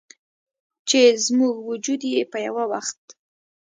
چې زموږ وجود یې په یوه وخت